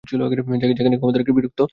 যেখানে কেউ আমাদেরকে বিরক্ত করবে না।